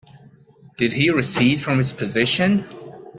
Did he recede from his position?